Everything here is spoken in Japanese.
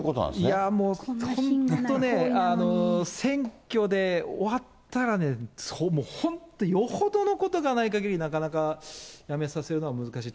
いやもう、本当ね、選挙で終わったらね、本当、よほどのことがないかぎり、なかなか辞めさせるのは難しい。